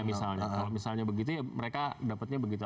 kalau misalnya begitu mereka dapatnya begitu